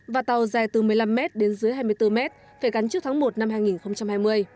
và tàu dài từ một mươi năm m đến dưới hai mươi bốn mét phải gắn trước tháng một năm hai nghìn hai mươi